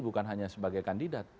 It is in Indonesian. bukan hanya sebagai kandidat